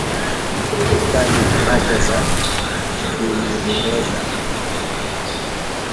Vokali Pacha za Kiingereza